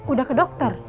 udah ke dokter